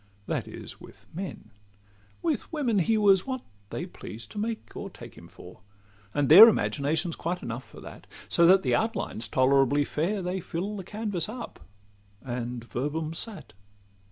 That is, with men: with women he was what They pleased to make or take him for; and their Imagination 's quite enough for that: So that the outline 's tolerably fair, They fill the canvas up—and 'verbum sat.